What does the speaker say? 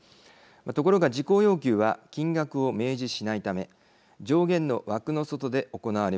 ところが事項要求は金額を明示しないため上限の枠の外で行われます。